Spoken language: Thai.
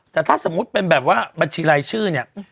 แต่ถ้าสมมุติเป็นแบบว่าบัญชีรายชื่อเนี่ย